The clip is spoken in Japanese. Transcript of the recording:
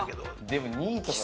でも２位とか。